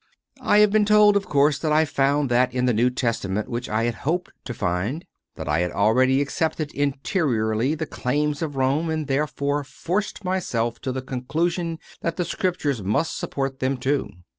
I have been told, of course, that I found that in the New Testament which I had hoped to find; that I had already accepted interiorly the claims of Rome, and therefore forced myself to the conclu sion that the Scriptures must support them too.